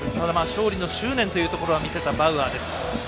勝利の執念というところは見せたバウアーです。